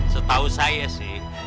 setahu saya sih